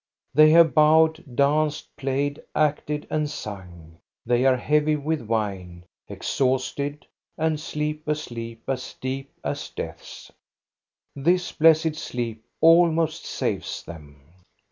They have bowed, danced, played, acted, and sung. They are heavy with wine, exhausted, and sleep a sleep as deep as death's. This blessed sleep almost saves them.